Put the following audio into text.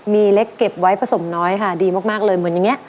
มีเล็กเก็บไว้ผสมน้อยค่ะดีมากเลยเหมือนอย่างนี้